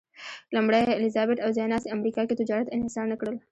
لومړۍ الیزابت او ځایناستي امریکا کې تجارت انحصار نه کړل.